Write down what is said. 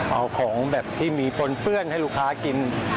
เอาของแบบที่มีปนเปื้อนให้ลูกค้ากิน